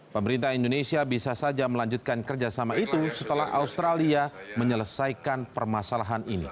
pemerintah indonesia bisa saja melanjutkan kerjasama itu setelah australia menyelesaikan permasalahan ini